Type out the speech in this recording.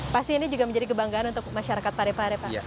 pasti ini juga menjadi kebanggaan untuk masyarakat parepare pak